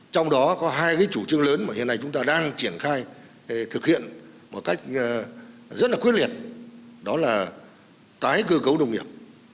trong đó có hai cái chủ trương lớn mà hiện nay chúng ta đang triển khai thực hiện một cách rất là quyết liệt đó là tái cơ cấu nông nghiệp